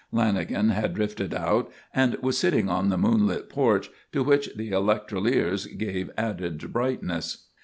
Lanagan had drifted out and was sitting on the moonlit porch, to which the electroliers gave added brightness.